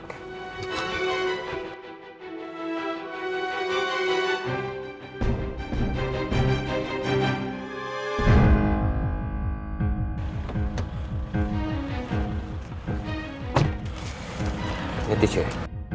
ini tisu ya